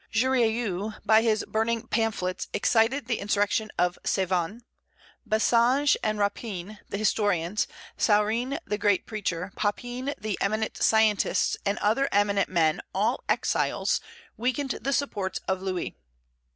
Jurieu, by his burning pamphlets, excited the insurrection of Cévennes. Basnage and Rapin, the historians, Saurin the great preacher, Papin the eminent scientist, and other eminent men, all exiles, weakened the supports of Louis.